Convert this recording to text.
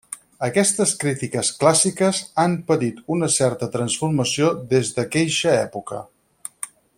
Aquestes crítiques clàssiques han patit una certa transformació des d'aqueixa època.